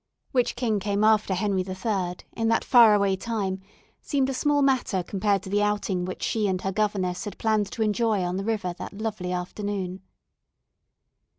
Which king came after Henry III., in that far away time, seemed a small matter compared to the outing which she and her governess had planned to enjoy on the river that lovely afternoon.